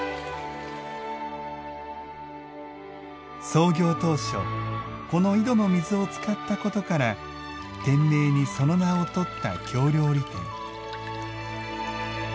創業当初この井戸の水を使ったことから店名にその名をとった京料理店。